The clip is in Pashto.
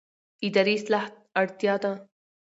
اداري اصلاح اړتیا ده